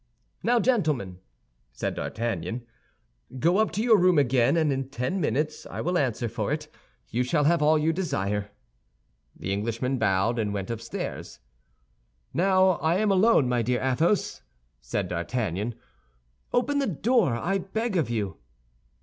"Now, gentlemen," said D'Artagnan, "go up to your room again; and in ten minutes, I will answer for it, you shall have all you desire." The Englishmen bowed and went upstairs. "Now I am alone, my dear Athos," said D'Artagnan; "open the door, I beg of you."